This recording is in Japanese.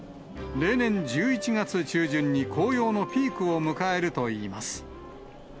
例年１１月中旬に紅葉のピークを迎えるといいます。